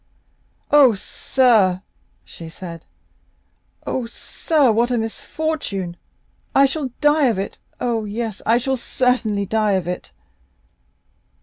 "Oh, sir," she said; "oh, sir, what a misfortune! I shall die of it; oh, yes, I shall certainly die of it!"